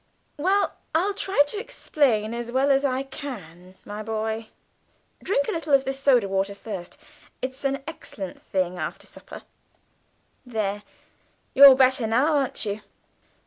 "Well, I'll try to explain as well as I can, my boy (drink a little of this soda water first, it's an excellent thing after supper); there, you're better now, aren't you?